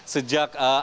sejak awal minggu ini